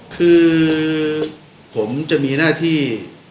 คือผมจะมีหน้าที่